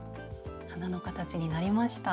花の形になりました。